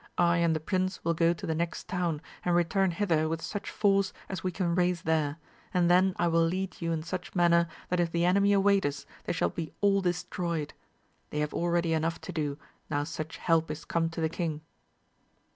I and the prince will go to the next town, and return hither with such force as we can raise there, and then I will lead you in such manner, that if the enemy await us they shall be all de^stroyed; they have already enough to do, now such help is come to the king.